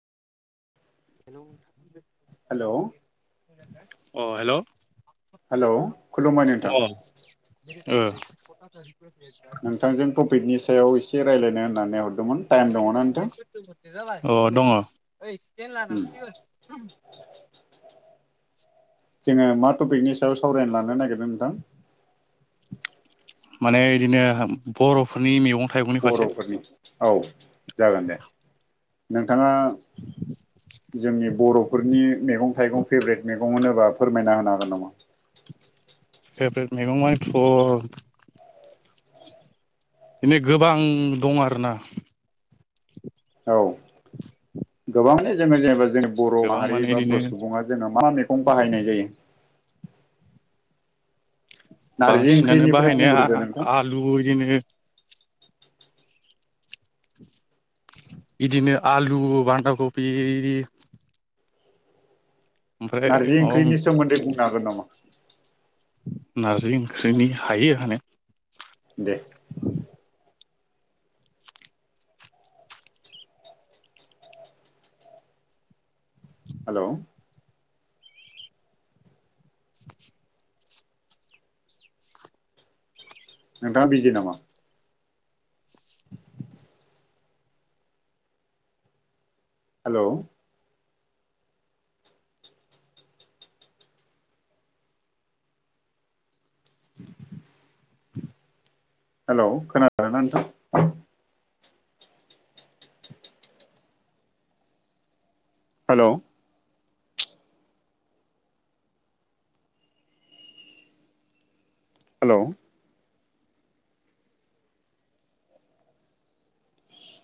Hello hello आं hello hello खुलुमबाय नोंथां। औ नोंथांजों टपिकनि सायाव एसे रायज्लायनो होननानै हरदोंमोन टाइम दङना नोंथां? जाबाय अ दङ उम [inaudible] जोङो मा टपिकनि सायाव सावरायना लानो नागिरदों नोंथां। माने बिदिनो बर'फोरनि मेगं बर'फोरनि औ जागोन दे। नों बिथाङा जोंनि बर'फोरनि मैगं थाइगं फेभ्रेट मैगं होनोबा फोरमायना होनो हागोन नामा? प्रेभेट मैगंया फल बिदिनो गोबां दं आरोना। औ गोबांनो जोङो जेनेबा जों बर' गोबां माहारि माने बा इदिनो बर' सुबुं जोङो मा मैगं बाहायनाय जायो। नारजि बांसिनानो ओंख्रिनिफ्राय बाहायनाया बुंग्रोदो नोंथां आलुनिनो बिदिनो आलु बान्दा कफि नारजि ओंख्रिनि सोमोन्दै बुंनो हागोन नामा? नारजि ओंख्रिनि हायो होनाया दे औ हेलौ [inaudible] नोंथाङा बिजि नामा? हेल' हेल' खोनादोंना‌ नोंथां हेल' हेल'